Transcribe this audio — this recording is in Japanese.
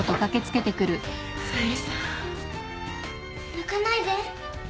泣かないで。